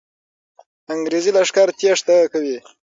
انګریزي لښکر تېښته کوي.